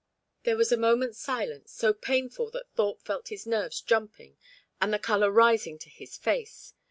There was a moment's silence, so painful that Thorpe felt his nerves jumping and the colour rising to his face.